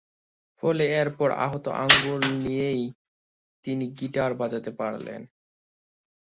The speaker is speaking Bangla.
ফলে এরপর আহত আঙুল নিয়েই তিনি গীটার বাজাতে পারলেন।